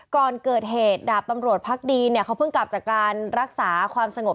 ก่อนเกิดเหตุดาบตำรวจพักดีเนี่ยเขาเพิ่งกลับจากการรักษาความสงบ